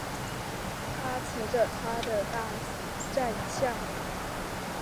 他骑着他的大战象。